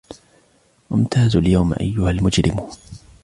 وامتازوا اليوم أيها المجرمون